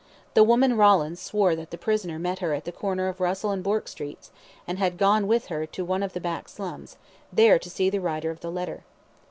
The woman Rawlins swore that the prisoner met her at the corner of Russell and Bourke Streets, and had gone with her to one of the back slums, there to see the writer of the letter.